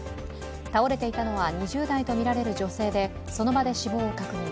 倒れていたのは２０代とみられる女性で、その場で死亡を確認。